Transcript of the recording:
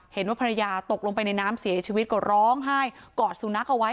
เห็นว่าภรรยาตกลงไปในน้ำเสียชีวิตก็ร้องไห้กอดสุนัขเอาไว้